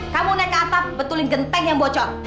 kamu naik ke atap betulin genteng yang bocor